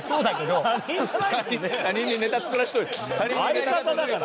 相方だから！